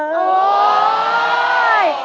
โอ้ย